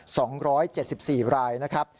สองร้อยเจ็ดสิบสี่รายนะครับ